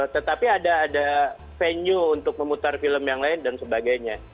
tetapi ada venue untuk memutar film yang lain dan sebagainya